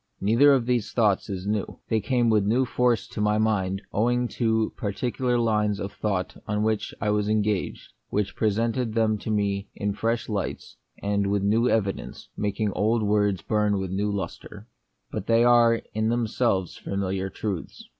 Neither of these thoughts is new. They came with new force to my mind owing to particular lines of thought on which I was engaged, which presented them to me in fresh lights, and with new evidence, making old words burn with a new lustre ; but they are The Mystery of Pain, 15 in themselves familiar truths.